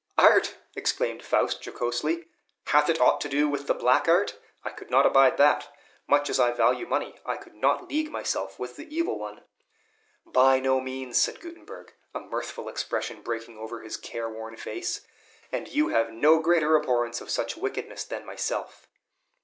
"Art!" exclaimed Faust jocosely, "hath it aught to do with the black art? I could not abide that. Much as I value money, I would not league myself with the Evil One." "By no means," said Gutenberg, a mirthful expression breaking over his care worn face, "and you have no greater abhorrence of such wickedness than myself."